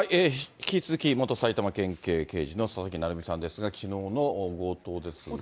引き続き、元埼玉県警刑事の佐々木成三さんですが、きのうの強盗ですが。